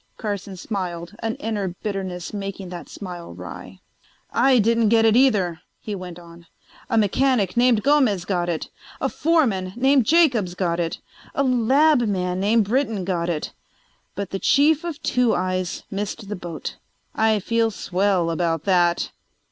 Carson smiled, an inner bitterness making the smile wry. "I didn't get it either," he went on. "A mechanic named Gomez got it; a foreman named Jacobs got it; a lab man named Britton got it; but the chief of "Two Eyes" missed the boat. I feel swell about that."